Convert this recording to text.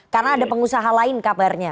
karena ada pengusaha lain kabarnya